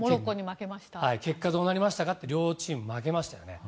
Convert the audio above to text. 結果どうなりましたか両チーム負けましたと。